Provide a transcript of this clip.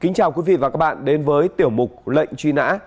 kính chào quý vị và các bạn đến với tiểu mục lệnh truy nã